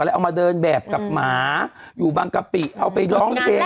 เอามาเดินแบบกับหมาอยู่บางกะปิเอาไปร้องเพลง